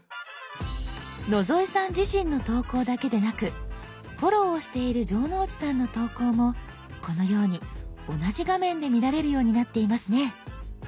野添さん自身の投稿だけでなくフォローをしている城之内さんの投稿もこのように同じ画面で見られるようになっていますね。